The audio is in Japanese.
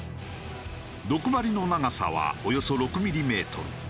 毒針の長さはおよそ６ミリメートル。